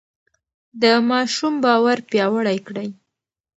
د ماشوم باور پیاوړی کړئ.